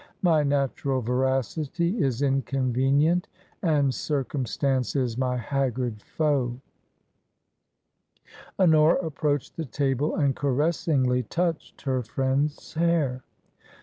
My natural veracity is in convenient, and circumstance is my haggard foe." Honora approached the table and caressingly touched her friend's hair.